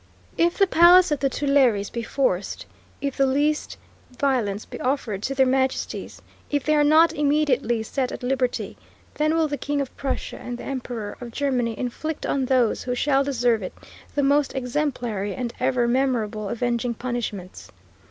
If the Palace of the Tuileries be forced, if the least violence be offered to their Majesties, if they are not immediately set at liberty, then will the King of Prussia and the Emperor of Germany inflict "on those who shall deserve it the most exemplary and ever memorable avenging punishments."